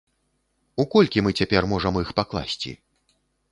У колькі мы цяпер можам іх пакласці?